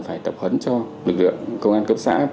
phải tập huấn cho lực lượng công an cấp xã